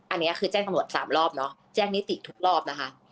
อันนี้คือแจ้งตำรวจสามรอบเนอะแจ้งนิติทุกรอบนะคะ